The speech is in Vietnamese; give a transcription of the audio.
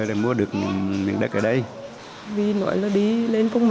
vừa mới được động thổ xây dựng cách đây cho đầy ba tháng